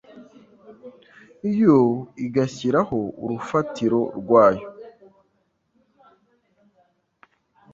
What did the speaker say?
yo igashyiraho urufatiro rwayo.